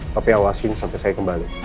tapi awasin sampai saya kembali